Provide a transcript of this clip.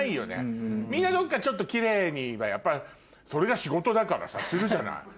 みんなどっかちょっとキレイにはやっぱそれが仕事だからさするじゃない。